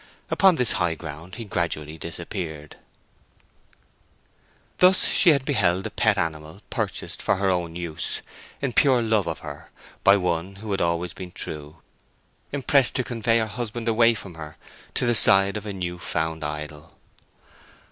Upon this high ground he gradually disappeared. Thus she had beheld the pet animal purchased for her own use, in pure love of her, by one who had always been true, impressed to convey her husband away from her to the side of a new found idol.